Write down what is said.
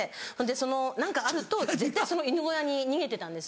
その何かあると絶対その犬小屋に逃げてたんです。